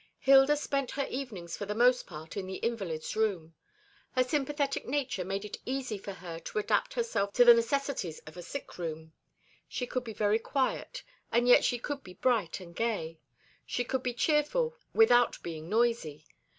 Hilda spent her evenings for the most part in the invalid's room. Her sympathetic nature made it easy for her to adapt herself to the necessities of a sick room. She could be very quiet, and yet she could be bright and gay. She could be cheerful without being noisy.